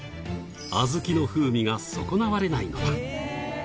小豆の風味が損なわれないのだ。